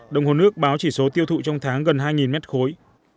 đồng hồ nước báo chỉ số tiêu thụ trong tháng gần hai mét khối